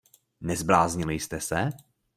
Nezbláznili jste se?